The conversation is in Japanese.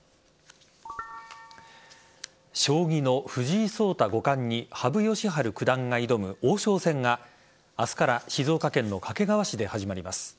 将棋の藤井聡太五冠に羽生善治九段が挑む王将戦が朝から静岡県の掛川市で始まります。